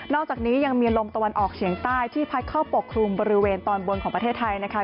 อกจากนี้ยังมีลมตะวันออกเฉียงใต้ที่พัดเข้าปกครุมบริเวณตอนบนของประเทศไทยนะคะ